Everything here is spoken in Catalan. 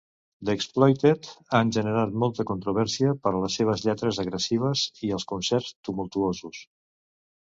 The Exploited han generat molta controvèrsia per les seves lletres agressives i els concerts tumultuosos.